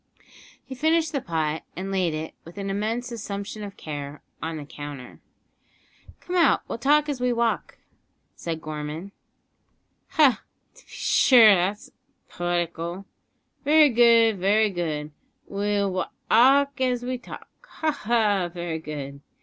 He finished the pot, and laid it, with an immense assumption of care, on the counter. "Come out, we'll walk as we talk," said Gorman. "Ha! to b'shure; 'at's poetical very good, very good, we'll wa alk as we talk ha! ha! very good.